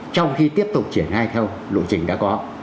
trong khi tiếp tục triển khai theo lộ trình đã có